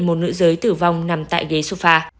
một nữ giới tử vong nằm tại ghế sofa